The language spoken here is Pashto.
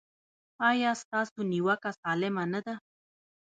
ایا ستاسو نیوکه سالمه نه ده؟